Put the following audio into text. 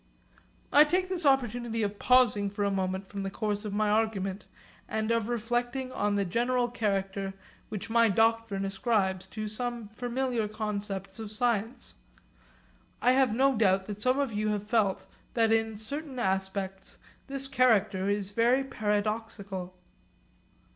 I take this opportunity of pausing for a moment from the course of my argument, and of reflecting on the general character which my doctrine ascribes to some familiar concepts of science. I have no doubt that some of you have felt that in certain aspects this character is very paradoxical.